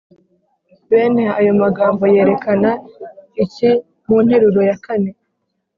Bene ayo magambo yerekana iki mu nteruro ya kane‽